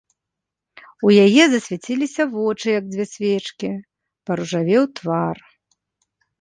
У яе засвяціліся вочы, як дзве свечкі, паружавеў твар.